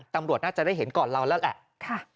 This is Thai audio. ตำรวจน่าจะได้เห็นก่อนเราแล้วแหละ